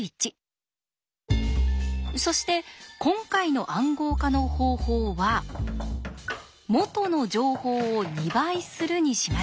そして今回の暗号化の方法は「元の情報を２倍する」にしましょう。